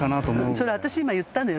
それ私今言ったのよ。